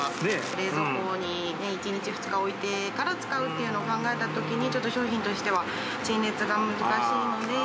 冷蔵庫にね、１日、２日置いてから使うっていうのを考えたときにちょっと商品としては、陳列が難しいので。